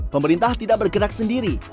pemerintah tidak bergerak sendiri